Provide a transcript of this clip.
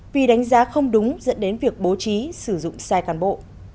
vì đánh giá không đúng dẫn đến việc bố trí sử dụng sai cán bộ